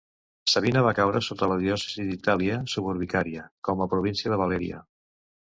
Sabina va caure sota la diòcesi d'"Itàlia suburbicaria" com a província de "Valeria".